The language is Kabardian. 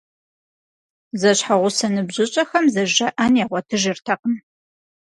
Зэщхьэгъусэ ныбжьыщӏэхэм зэжраӏэн ягъуэтыжыртэкъым.